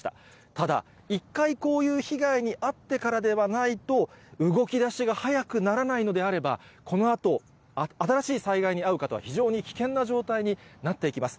ただ、一回こういう被害に遭ってからではないと、動きだしが早くならないのであれば、このあと、新しい災害に遭う方は非常に危険な状態になっていきます。